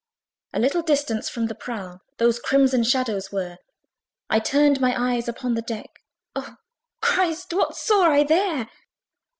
A little distance from the prow Those crimson shadows were: I turned my eyes upon the deck Oh, Christ! what saw I there!